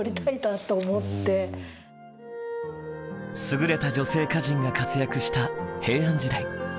優れた女性歌人が活躍した平安時代。